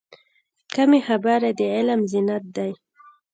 کمې خبرې، د علم زینت دی.